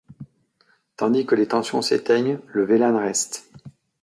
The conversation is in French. Tandis que les tensions s’éteignent, le Vlan reste.